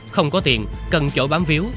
không có tiền cần chỗ bám víu